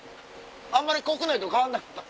あんまり国内と変わんなかった。